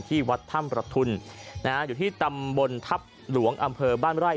ที่วัดถ้ำประทุนอยู่ที่ตำบลทัพหลวงอำเภอบ้านไร่